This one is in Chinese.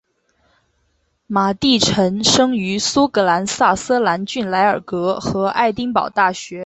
马地臣生于苏格兰萨瑟兰郡莱尔格和爱丁堡大学。